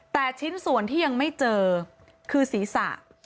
แต่ชิ้นส่วนที่ยังไม่เจอคือศีรษะ